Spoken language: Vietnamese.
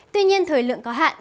tuy nhiên thời lượng có hạn